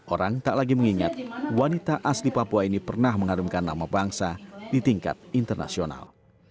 orang tak lagi mengingat wanita asli papua ini pernah mengharumkan nama bangsa di tingkat internasional